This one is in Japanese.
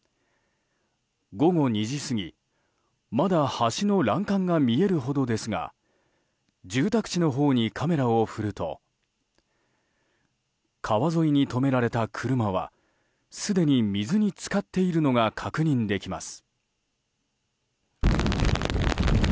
午後２時過ぎ、まだ橋の欄干が見えるほどですが住宅地のほうにカメラを振ると川沿いに止められた車はすでに水に浸かっているのが確認できます。